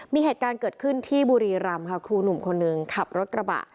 มีเหตุการณ์เกิดขึ้นที่บุรีรำค่ะครูหนุ่มคนหนึ่งขับรถกระบะ